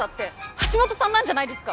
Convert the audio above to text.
橋本さんなんじゃないですか？